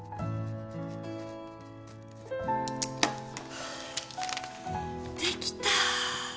はぁできた。